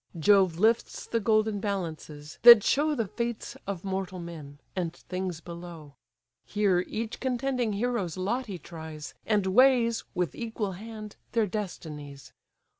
Jove lifts the golden balances, that show The fates of mortal men, and things below: Here each contending hero's lot he tries, And weighs, with equal hand, their destinies.